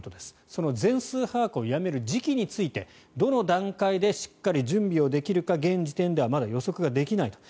その全数把握をやめる時期についてどの段階でしっかり準備をできるか現時点ではまだ予測ができないと。